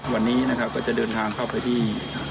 วันนี้นะครับก็จะเดินทางเข้าไปที่